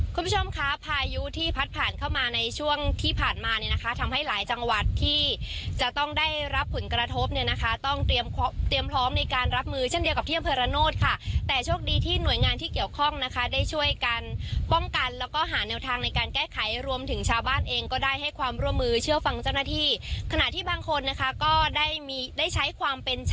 คุณผู้ชมคะพายุที่พัดผ่านเข้ามาในช่วงที่ผ่านมาเนี่ยนะคะทำให้หลายจังหวัดที่จะต้องได้รับผลกระทบเนี่ยนะคะต้องเตรียมพร้อมในการรับมือเช่นเดียวกับเที่ยวเพราะโน้ตค่ะแต่โชคดีที่หน่วยงานที่เกี่ยวข้องนะคะได้ช่วยกันป้องกันแล้วก็หาแนวทางในการแก้ไขรวมถึงชาวบ้านเองก็ได้ให้ความร่วมมือเชื่อฟั